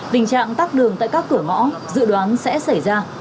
tình trạng tắt đường tại các cửa ngõ dự đoán sẽ xảy ra